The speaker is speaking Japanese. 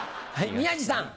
宮治さん。